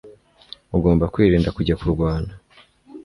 Ugomba kwirinda kujya kurwana